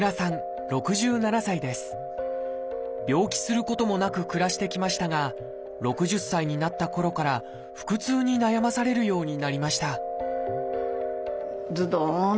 病気することもなく暮らしてきましたが６０歳になったころから腹痛に悩まされるようになりました